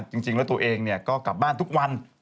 จริงแล้วตัวเองก็กลับบ้านทุกวัน